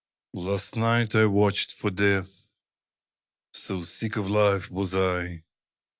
Last night I watched for Death So sick of life was I!